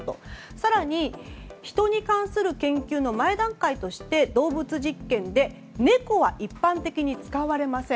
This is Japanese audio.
更にヒトに関する研究の前段階として動物実験で猫は一般的に使われません。